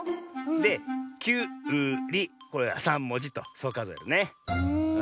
で「きゅうり」これは３もじとそうかぞえるのね。